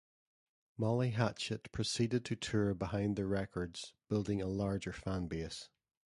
Molly Hatchet proceeded to tour behind the records building a larger fan base.